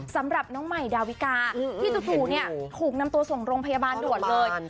สำหรับน้องใหม่ดาวิกาที่จู่เนี่ยถูกนำตัวส่งโรงพยาบาลด่วนเลย